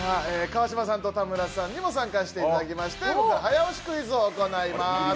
川島さんと田村さんにも参加していただきまして早押しクイズを行います。